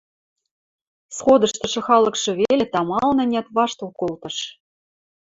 Сходыштышы халыкшы веле тамалын-ӓнят ваштыл колтыш.